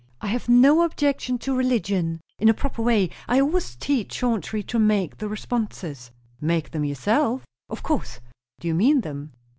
"I have no objection to religion, in a proper way. I always teach Chauncey to make the responses." "Make them yourself?" "Of course." "Do you mean them?"